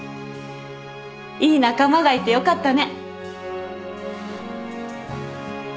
いい仲間がいてよかったね。